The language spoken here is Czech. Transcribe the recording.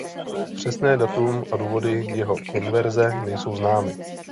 Přesné datum a důvody jeho konverze nejsou známy.